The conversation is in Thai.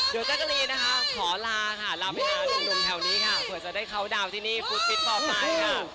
เดี๋ยวแจ๊กกะรีนนะคะขอลาค่ะลาไปหานุ่มแถวนี้ค่ะเผื่อจะได้เข้าดาวน์ที่นี่ฟุตฟิตต่อไปค่ะ